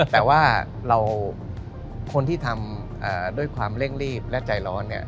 แต่ว่าคนที่ทำด้วยความเร่งรีบและใจร้อนเนี่ย